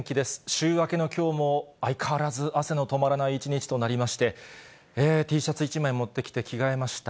週明けのきょうも相変わらず汗の止まらない一日となりまして、Ｔシャツ１枚持ってきて着替えました。